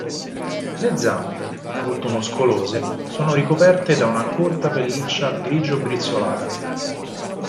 Le zampe, molto muscolose, sono ricoperte da una corta pelliccia grigio-brizzolata.